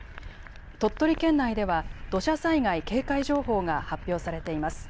鳥取県内では土砂災害警戒情報が発表されています。